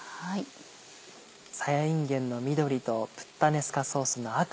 さやいんげんの緑とプッタネスカソースの赤。